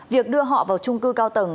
việc đưa họ vào trung cư cao tầng